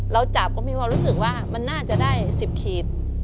เราจับก็มีความรู้สึกว่ามันน่าจะได้๑๐ขีด